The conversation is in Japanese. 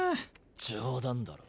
冗談だろ。